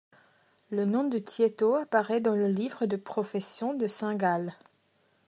Le nom de Thieto apparait dans le livre de profession de Saint-Gall.